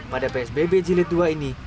pada psbb jilid dua ini